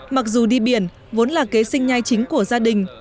mặc dù đi biển vốn là kế sinh nhai chính